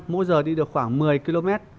mỗi giờ đi được khoảng một mươi km